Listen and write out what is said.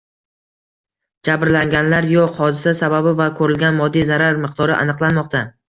Jabrlanganlar yo‘q. Hodisa sababi va ko‘rilgan moddiy zarar miqdori aniqlanmoqda